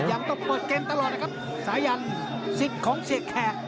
ยังต้องเปิดเกมตลอดนะครับสายันสิทธิ์ของเสียแขก